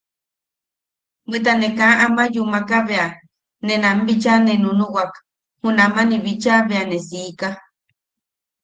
Bweta ne kaa ama yumaka bea, ne nam bicha ne nunuwak, junaman bicha bea ne siika.